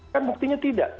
kan buktinya tidak